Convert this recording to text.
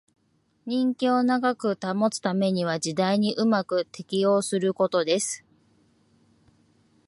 人気を長く保つためには時代にうまく適応することです